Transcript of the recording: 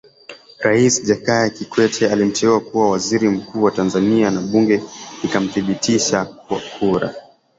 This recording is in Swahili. Rais Jakaya Kikwete alimteua kuwa Waziri Mkuu wa Tanzania na Bunge likamthibitisha kwa kura